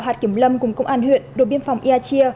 hạt kiểm lâm cùng công an huyện đội biên phòng ia chi